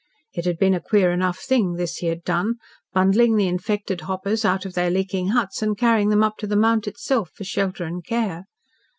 It had been a queer enough thing, this he had done bundling the infected hoppers out of their leaking huts and carrying them up to the Mount itself for shelter and care.